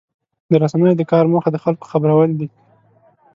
د رسنیو د کار موخه د خلکو خبرول دي.